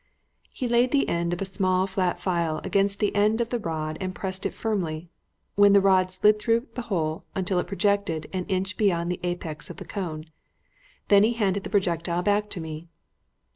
He laid the end of a small flat file against the end of the rod and pressed it firmly, when the rod slid through the hole until it projected an inch beyond the apex of the cone. Then he handed the projectile back to me.